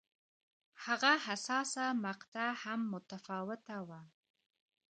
هغه حساسه مقطعه هم متفاوته وه.